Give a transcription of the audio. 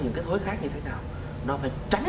những cái khối khác như thế nào nó phải tránh